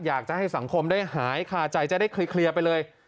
อยากจะให้สังคมได้หายคาใจจะได้เคลียร์ไปเลย